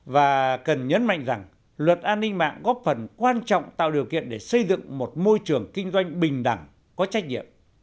và cần nhấn mạnh rằng luật an ninh mạng góp phần quan trọng tạo điều kiện để xây dựng một môi trường kinh doanh bình đẳng có trách nhiệm